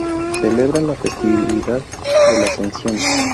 Celebra la festividad de la Ascensión.